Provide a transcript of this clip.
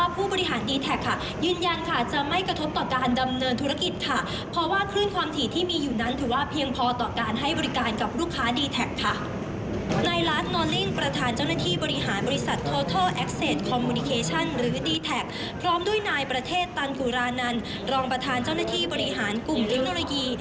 ประธานเจ้าหน้าที่บริหารกลุ่มเทคโนโลยี